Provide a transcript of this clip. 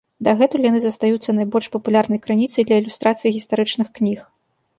Дагэтуль яны застаюцца найбольш папулярнай крыніцай для ілюстрацыі гістарычных кніг.